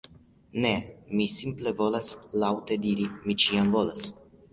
Ne, mi simple volas laŭte diri "Mi ĉiam volas!"